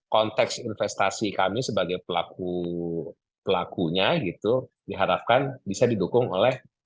konteks investasi kami sebagai pelakunya gitu diharapkan bisa didukung oleh